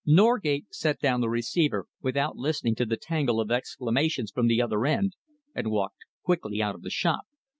Norgate set down the receiver without listening to the tangle of exclamations from the other end, and walked quickly out of the shop.